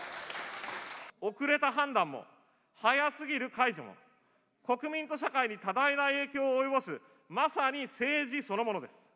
遅れた判断も、早すぎる解除も、国民と社会に多大な影響を及ぼす、まさに政治そのものです。